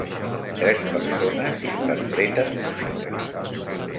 Tres persones interpreten música